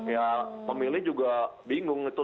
ya pemilih juga bingung itu